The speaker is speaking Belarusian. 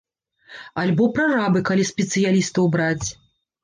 Альбо прарабы, калі спецыялістаў браць.